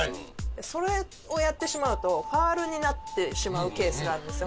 それをやってしまうとファウルになってしまうケースがあるんですよ。